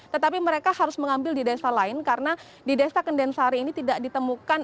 tetapi mereka harus mengambil di desa lain karena di desa kendensari ini tidak ditemukan